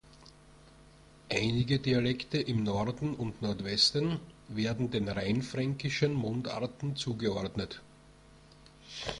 Einige Dialekte im Norden und Nordwesten werden den rheinfränkischen Mundarten zugeordnet.